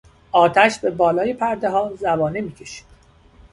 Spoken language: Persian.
آتش به بالای پردهها زبانه میکشید.